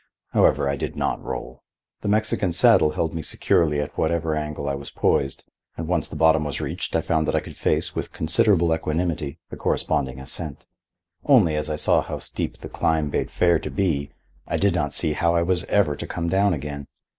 However, I did not roll. The Mexican saddle held me securely at whatever angle I was poised, and once the bottom was reached I found that I could face, with considerable equanimity, the corresponding ascent. Only, as I saw how steep the climb bade fair to be, I did not see how I was ever to come down again.